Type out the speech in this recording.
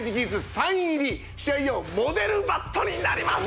サイン入り試合用モデルバットになります！